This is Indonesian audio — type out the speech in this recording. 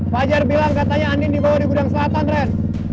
pajar bilang katanya anin dibawa di gudang selatan ren